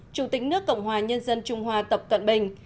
chủ tịch nước cộng hòa nhân dân trung hoa tập cận bình